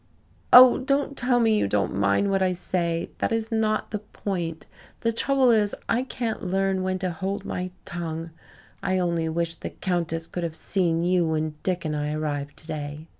"Oh, don't tell me you don't mind what I say. That is not the point. The trouble is I can't learn when to hold my tongue. I only wish the Countess could have seen you when Dick and I arrived today."